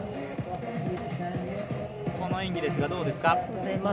この演技ですが、どうですか？